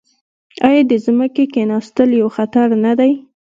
آیا د ځمکې کیناستل یو خطر نه دی؟